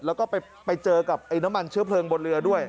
แล้วก็ไปเจอกับไอ้น้ำมันเชื้อเพลิงบนเรือด้วย